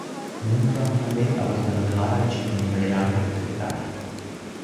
மூன்றாம் நாளே அவர் தனது ஆராய்ச்சிப் பணிகளை ஆரம்பித்து விட்டார்.